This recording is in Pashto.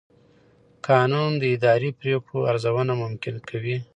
قانون د اداري پرېکړو ارزونه ممکن کوي.